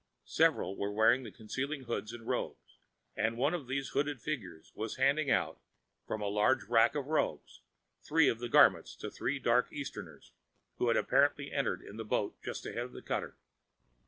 Several were wearing the concealing hoods and robes, and one of these hooded figures was handing out, from a large rack of the robes, three of the garments to three dark Easterners who had apparently entered in the boat just ahead of the cutter.